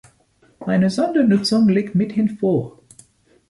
Eine Sondernutzung liegt mithin vor.